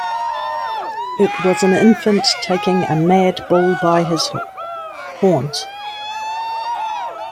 It was an infant taking a mad bull by his horns.